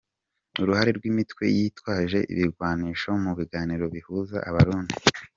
Uruhare rw’imitwe yitwaje ibirwanisho mu biganiro bihuza Abarundi